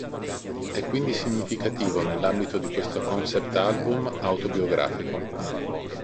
È quindi significativo nell'ambito di questo concept-album autobiografico.